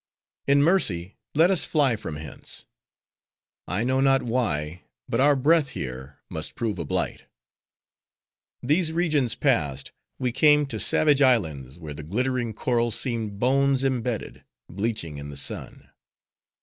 In mercy, let us fly from hence. I know not why, but our breath here, must prove a blight." These regions passed, we came to savage islands, where the glittering coral seemed bones imbedded, bleaching in the sun.